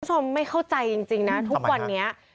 เพื่อนผู้ชมไม่เข้าใจจริงนะทุกวันเนี้ย